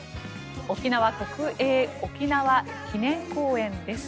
沖縄の国営沖縄記念公園です。